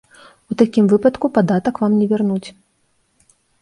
У такім выпадку падатак вам не вернуць.